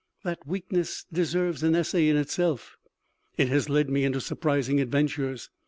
That weakness deserves an essay in itself. It has led me into surprising adventures.